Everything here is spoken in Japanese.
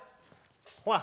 ほら！